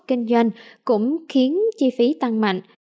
kinh doanh cũng khiến chi phí tăng mạnh